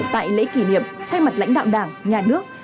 tại lễ kỷ niệm thay mặt lãnh đạo đảng nhà nước